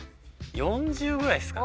４０ぐらいですかね。